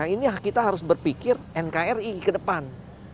ini kita harus berpikir nkri ke depan